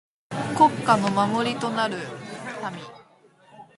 国家の守りとなる臣。